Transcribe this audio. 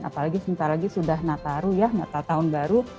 apalagi sebentar lagi sudah natal natal tahun baru